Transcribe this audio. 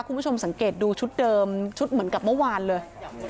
คุณผู้ชมสังเกตดูชุดเดิมชุดเหมือนกับเมื่อวานเลย